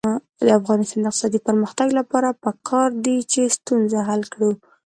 د افغانستان د اقتصادي پرمختګ لپاره پکار ده چې ستونزه حل کړو.